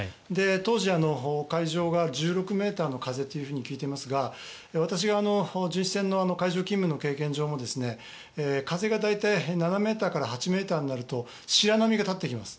当時、海上が１６ｍの風と聞いていますが私が巡視船の海上勤務の経験上も風が大体７ｍから８ｍになると白波が立ってきます。